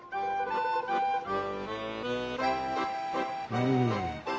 うん。